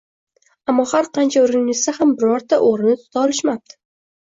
Ammo har qancha urinishsa ham birorta o`g`rini tuta olishmapti